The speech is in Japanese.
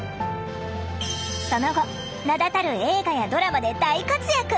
その後名だたる映画やドラマで大活躍！